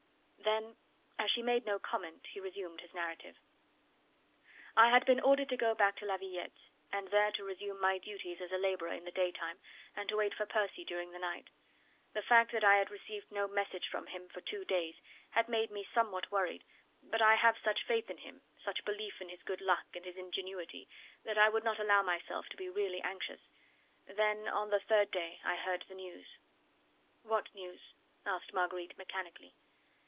Then as she made no comment, he resumed his narrative: "I had been ordered to go back to La Villette, and there to resume my duties as a labourer in the day time, and to wait for Percy during the night. The fact that I had received no message from him for two days had made me somewhat worried, but I have such faith in him, such belief in his good luck and his ingenuity, that I would not allow myself to be really anxious. Then on the third day I heard the news." "What news?" asked Marguerite mechanically.